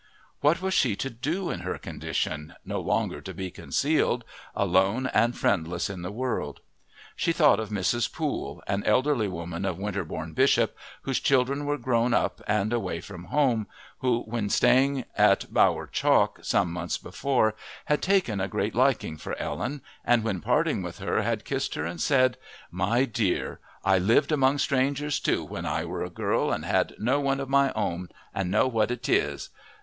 What was she to do in her condition, no longer to be concealed, alone and friendless in the world? She thought of Mrs. Poole, an elderly woman of Winterbourne Bishop, whose children were grown up and away from home, who when staying at Bower Chalk some months before had taken a great liking for Ellen, and when parting with her had kissed her and said: "My dear, I lived among strangers too when I were a girl and had no one of my own, and know what 'tis."